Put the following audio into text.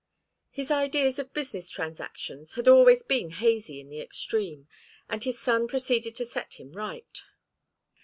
His ideas of business transactions had always been hazy in the extreme, and his son proceeded to set him right.